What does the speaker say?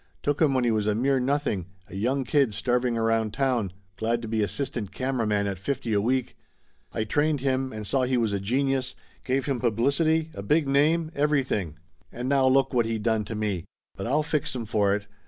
Took him when he was a mere nothing, a young kid starving around town, glad to be assistant camera man at fifty a week ! I trained him and saw he was a genius, gave him publicity, a big name every thing! And now look what he done to me. But I'll fix him for it!